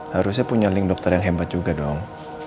harusnya punya link dokter yang hebat juga dong